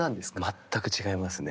全く違いますね。